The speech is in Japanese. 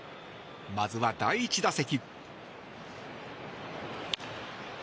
まずは第１打席。